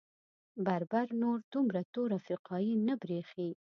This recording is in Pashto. بربر نور دومره تور افریقايي نه برېښي.